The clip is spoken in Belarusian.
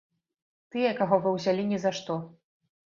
Тыя, каго вы ўзялі ні за што.